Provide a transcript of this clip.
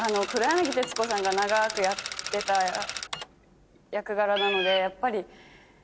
黒柳徹子さんが長くやってた役柄なのでやっぱり